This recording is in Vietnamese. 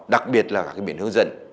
đặc biệt là các cái biển hướng dẫn